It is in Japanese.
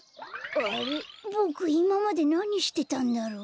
ボクいままでなにしてたんだろ？